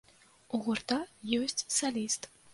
У гурта ёсць саліст.